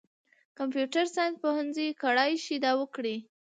کمپیوټر ساینس پوهنځۍ کړای شي دا وکړي.